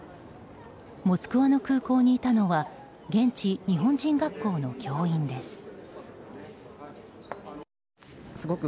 モスクワの空港にいたのは現地、日本人学校の教員です。